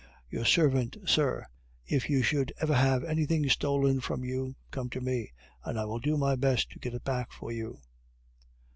Your servant, sir. If you should ever have anything stolen from you, come to me, and I will do my best to get it back for you."